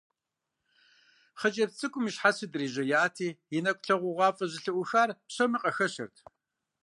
Хъыджэбз цӀыкӀум и щхьэцыр дрижьеяти, и нэкӀу лъагъугъуафӀэ зэлъыӀухар псоми къахэщырт.